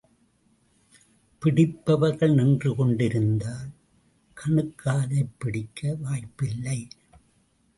பிடிப்பவர்கள் நின்று கொண்டிருந்தால், கணுக் காலைப் பிடிக்க வாய்ப்பில்லை.